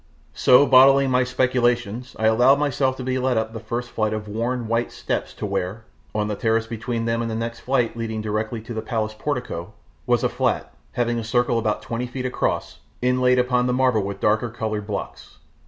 So, bottling my speculations, I allowed myself to be led up the first flight of worn, white steps to where, on the terrace between them and the next flight leading directly to the palace portico, was a flat, having a circle about twenty feet across, inlaid upon the marble with darker coloured blocks.